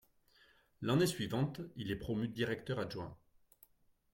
L’année suivante, il est promu directeur adjoint.